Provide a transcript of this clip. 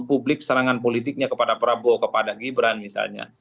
publik serangan politiknya kepada prabowo kepada gibran misalnya